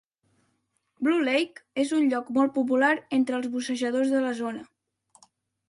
Blue Lake és un lloc molt popular entre els bussejadors de la zona.